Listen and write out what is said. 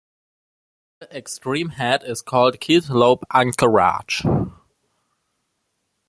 The extreme head is called Kitlope Anchorage.